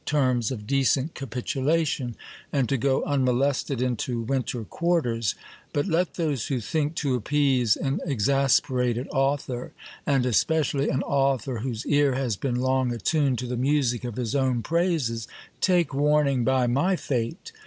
235 terms of decent capitulation, and to go unmolested into winter quarters : but let those who think to appease an exasperated author, and especially an author whose ear has been long attuned to the music of his own praises, take warn ing by my fate.